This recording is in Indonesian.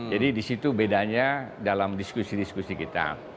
jadi di situ bedanya dalam diskusi diskusi kita